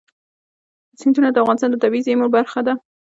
سیندونه د افغانستان د طبیعي زیرمو برخه ده.